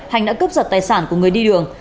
hành đã cướp giật tài sản của người đi đường